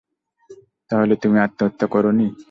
তাহলে তুমি আত্মহত্যা করনি!